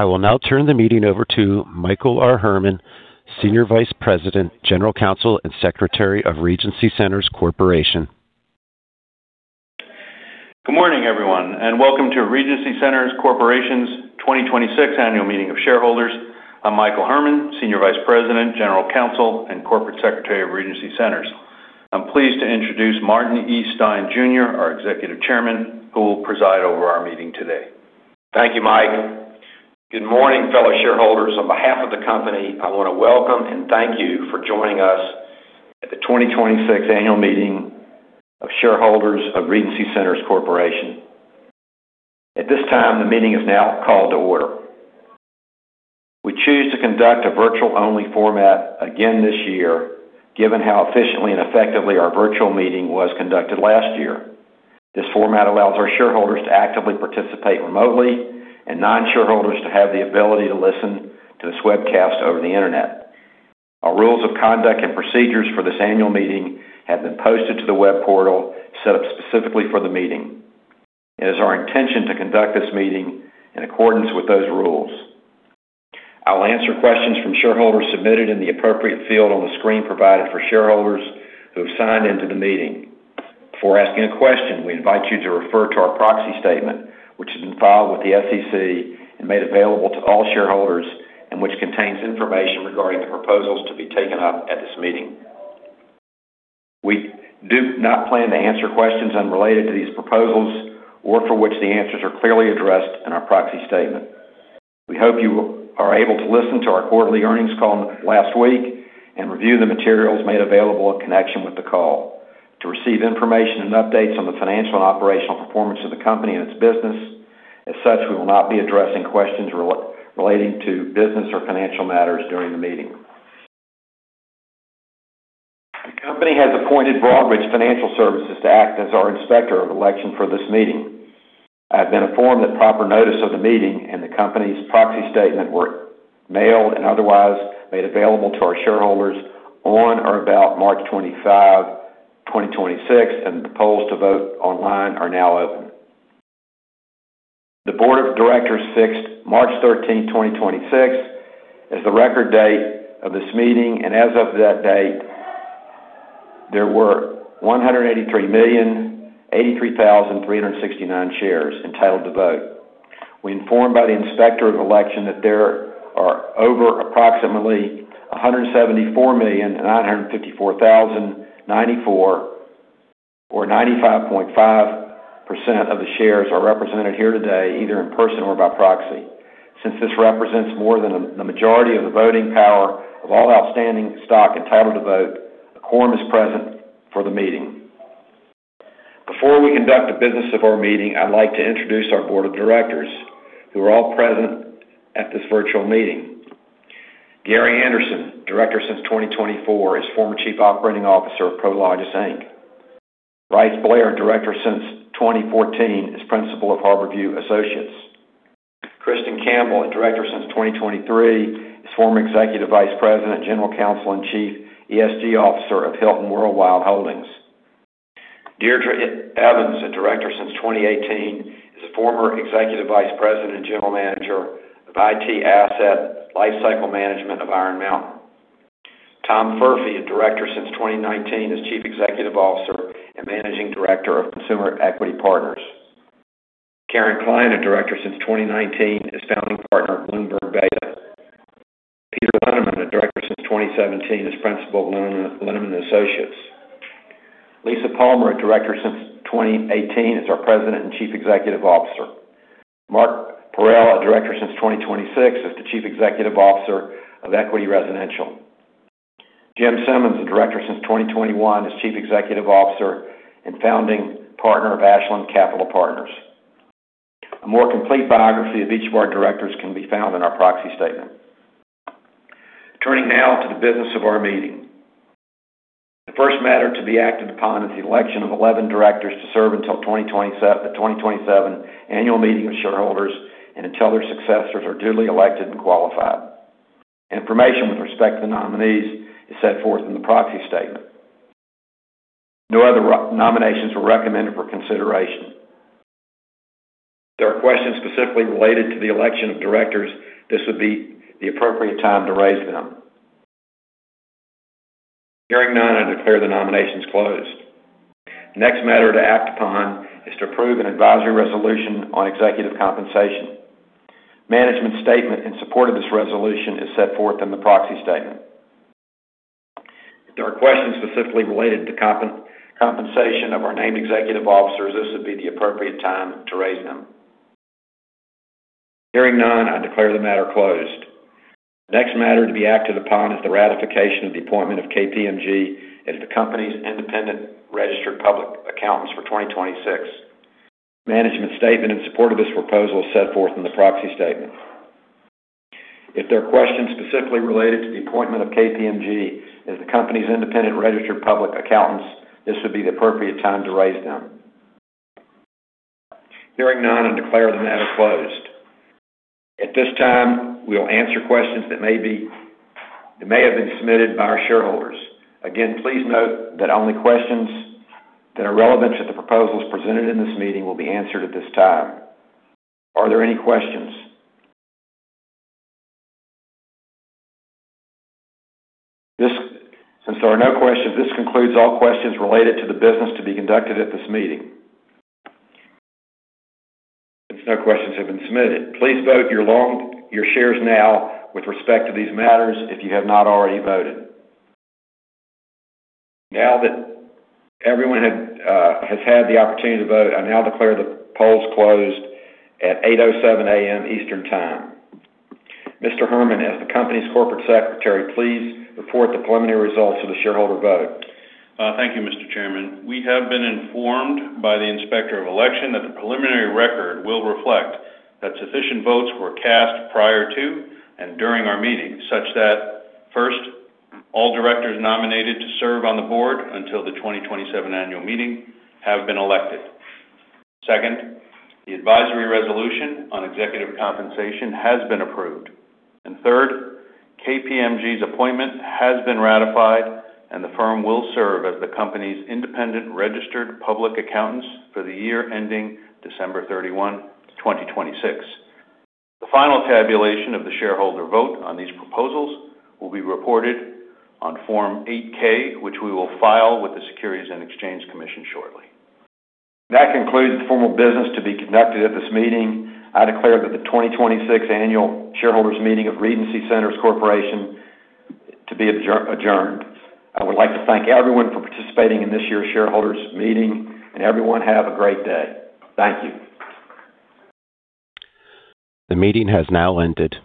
I will now turn the meeting over to Michael R. Herman, Senior Vice President, General Counsel, and Secretary of Regency Centers Corporation. Good morning, everyone, and welcome to Regency Centers Corporation's 2026 annual meeting of shareholders. I'm Michael Herman, Senior Vice President, General Counsel, and Corporate Secretary of Regency Centers. I'm pleased to introduce Martin E. Stein, Jr., our Executive Chairman, who will preside over our meeting today. Thank you, Mike. Good morning, fellow shareholders. On behalf of the company, I want to welcome and thank you for joining us at the 2026 annual meeting of shareholders of Regency Centers Corporation. At this time, the meeting is now called to order. We choose to conduct a virtual-only format again this year, given how efficiently and effectively our virtual meeting was conducted last year. This format allows our shareholders to actively participate remotely and non-shareholders to have the ability to listen to this webcast over the Internet. Our rules of conduct and procedures for this annual meeting have been posted to the web portal set up specifically for the meeting. It is our intention to conduct this meeting in accordance with those rules. I'll answer questions from shareholders submitted in the appropriate field on the screen provided for shareholders who have signed into the meeting. Before asking a question, we invite you to refer to our proxy statement, which has been filed with the SEC and made available to all shareholders and which contains information regarding the proposals to be taken up at this meeting. We do not plan to answer questions unrelated to these proposals or for which the answers are clearly addressed in our proxy statement. We hope you are able to listen to our quarterly earnings call last week and review the materials made available in connection with the call to receive information and updates on the financial and operational performance of the company and its business. We will not be addressing questions relating to business or financial matters during the meeting. The company has appointed Broadridge Financial Solutions to act as our Inspector of Election for this meeting. I have been informed that proper notice of the meeting and the company's proxy statement were mailed and otherwise made available to our shareholders on or about March 25, 2026, and the polls to vote online are now open. The Board of Directors fixed March 13th, 2026 as the record date of this meeting, and as of that date, there were 183,083,369 shares entitled to vote. We're informed by the Inspector of Election that there are over approximately 174,954,094 or 95.5% of the shares are represented here today, either in person or by proxy. Since this represents more than the majority of the voting power of all outstanding stock entitled to vote, a quorum is present for the meeting. Before we conduct the business of our meeting, I'd like to introduce our Board of Directors who are all present at this virtual meeting. Gary Anderson, Director since 2024, is former Chief Operating Officer of Prologis, Inc. Bryce Blair, Director since 2014, is Principal of Harborview Associates. Kristin Campbell, a Director since 2023, is former Executive Vice President, General Counsel, and Chief ESG Officer of Hilton Worldwide Holdings. Deirdre Evens, a Director since 2018, is a former Executive Vice President and General Manager of IT Asset Lifecycle Management of Iron Mountain. Tom Furphy, a Director since 2019, is Chief Executive Officer and Managing Director of Consumer Equity Partners. Karin Klein, a Director since 2019, is Founding Partner of Bloomberg Beta. Peter Linneman, a Director since 2017, is Principal at Linneman Associates. Lisa Palmer, a Director since 2018, is our President and Chief Executive Officer. Mark Parrell, a Director since 2026, is the Chief Executive Officer of Equity Residential. Jim Simmons, a Director since 2021, is Chief Executive Officer and Founding Partner of Asland Capital Partners. A more complete biography of each of our directors can be found in our proxy statement. Turning now to the business of our meeting. The first matter to be acted upon is the election of 11 directors to serve until the 2027 Annual Meeting of Shareholders and until their successors are duly elected and qualified. Information with respect to the nominees is set forth in the proxy statement. No other nominations were recommended for consideration. If there are questions specifically related to the election of directors, this would be the appropriate time to raise them. Hearing none, I declare the nominations closed. The next matter to act upon is to approve an advisory resolution on executive compensation. Management statement in support of this resolution is set forth in the proxy statement. If there are questions specifically related to compensation of our named executive officers, this would be the appropriate time to raise them. Hearing none, I declare the matter closed. The next matter to be acted upon is the ratification of the appointment of KPMG as the company's independent registered public accountants for 2026. Management statement in support of this proposal is set forth in the proxy statement. If there are questions specifically related to the appointment of KPMG as the company's independent registered public accountants, this would be the appropriate time to raise them. Hearing none, I declare the matter closed. At this time, we will answer questions that may have been submitted by our shareholders. Again, please note that only questions that are relevant to the proposals presented in this meeting will be answered at this time. Are there any questions? Since there are no questions, this concludes all questions related to the business to be conducted at this meeting. Since no questions have been submitted, please vote your shares now with respect to these matters if you have not already voted. Now that everyone had has had the opportunity to vote, I now declare the polls closed at 8:00 A.M. Eastern Time. Mr. Herman, as the company's corporate secretary, please report the preliminary results of the shareholder vote. Thank you, Mr. Chairman. We have been informed by the Inspector of Election that the preliminary record will reflect that sufficient votes were cast prior to and during our meeting, such that first, all directors nominated to serve on the board until the 2027 annual meeting have been elected. Second, the advisory resolution on executive compensation has been approved. Third, KPMG's appointment has been ratified, and the firm will serve as the company's independent registered public accountants for the year ending December 31, 2026. The final tabulation of the shareholder vote on these proposals will be reported on Form 8-K, which we will file with the Securities and Exchange Commission shortly. That concludes the formal business to be conducted at this meeting. I declare that the 2026 annual shareholders' meeting of Regency Centers Corporation to be adjourned. I would like to thank everyone for participating in this year's shareholders' meeting. Everyone have a great day. Thank you. The meeting has now ended.